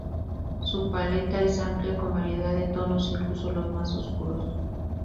Su paleta es amplia, con variedad de tonos, incluso los más oscuros.